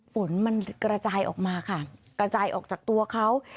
ฝนมันกระจายออกมาค่ะกระจายออกจากตัวเขา